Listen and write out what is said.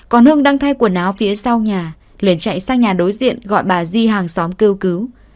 còn hưng đang thay quần áo phía sau nhà liền chạy sang nhà đối diện gọi bà di hàng xóm kêu cứu